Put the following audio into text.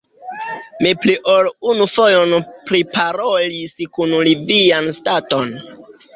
Mi pli ol unu fojon priparolis kun li vian staton.